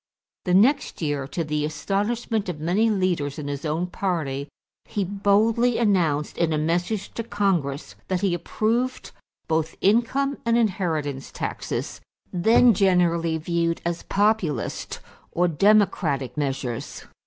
The next year, to the astonishment of many leaders in his own party, he boldly announced in a message to Congress that he approved both income and inheritance taxes, then generally viewed as Populist or Democratic measures.